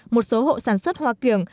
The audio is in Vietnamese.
một số hộ sản xuất hoa kiểng